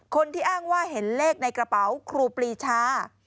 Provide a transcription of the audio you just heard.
คนที่อ้างว่าเห็นเลขในกระเป๋าครูปรีชา